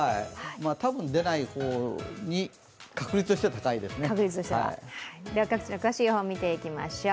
多分、出ない方に確率としては高いですね。